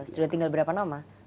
sudah tinggal berapa nama